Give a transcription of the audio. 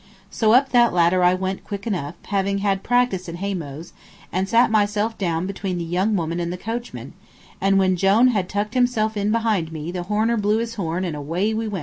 So up that ladder I went quick enough, having had practice in hay mows, and sat myself down between the young woman and the coachman, and when Jone had tucked himself in behind me the horner blew his horn and away we went.